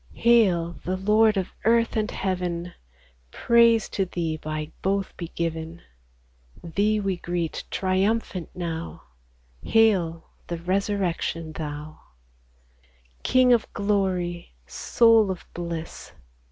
69 Hail, the Lord of earth and heaven ! Praise to Thee by both be given ! Thee we greet triumphant now, Hail, the Resurrection Thou ! King of glory, Soul of bliss